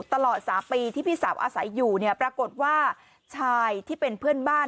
ตลอด๓ปีที่พี่สาวอาศัยอยู่เนี่ยปรากฏว่าชายที่เป็นเพื่อนบ้าน